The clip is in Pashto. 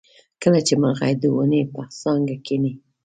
کله چې مرغۍ د ونې په څانګه کیني.